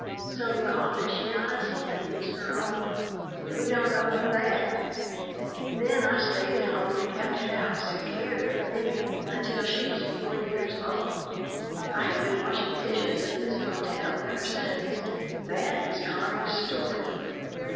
So the coffin she lies in is her own. We don't owe for that. Then I stayed at home and kept house and cared for Lennie until she was four years old. I have been washing dishes in this hotel ever since." That is Connie's story.